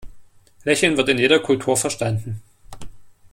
Lächeln wird in jeder Kultur verstanden.